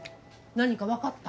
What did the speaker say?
何か分かった？